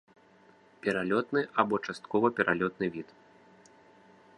Пералётны або часткова пералётны від.